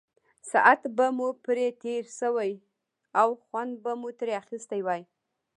ساعت به مو پرې تېر شوی او خوند به مو ترې اخیستی وي.